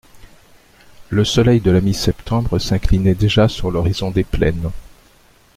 Le soleil de la mi-septembre s'inclinait déjà sur l'horizon des plaines.